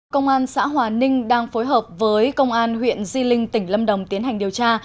công an xã hòa ninh đang phối hợp với công an huyện di linh tỉnh lâm đồng tiến hành điều tra